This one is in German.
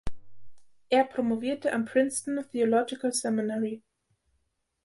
Er promovierte am Princeton Theological Seminary.